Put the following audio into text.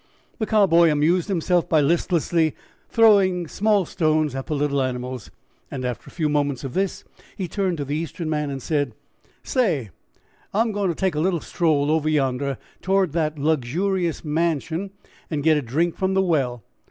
The Cowboy amused himself by listlessly throwing small stones at the little animals. After a few moments of this he turned to the Eastern man and said: "Say, I am goin' to take a little stroll over yonder towards that luxurious mansion and get a drink from the well.